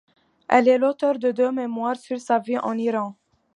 Elle est l'auteure de deux mémoires sur sa vie en Iran.